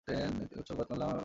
উৎস: Guatemala bank.